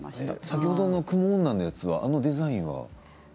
先ほどの「蜘蛛女」ののれんのデザインは？